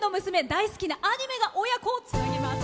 大好きなアニメが親子をつなぎます。